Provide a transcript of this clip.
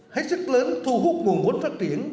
hết sức lớn thu hút nguồn vốn phát triển